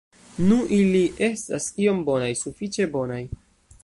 Nu, ili estas iom bonaj, sufiĉe bonaj.